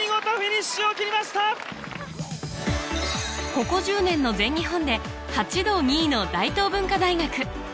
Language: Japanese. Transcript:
ここ１０年の全日本で８度２位の大東文化大学